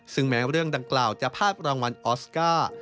ซึ่งแม้เรื่องดังกล่าวจะพาดรางวัลออสการ์